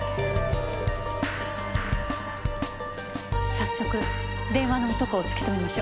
早速電話の男を突き止めましょう。